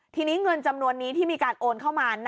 ทีนี้เงินจำนวนนี้ที่มีการโอนเข้ามา